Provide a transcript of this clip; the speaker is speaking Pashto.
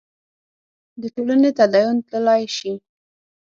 د ټولنې تدین تللای شي.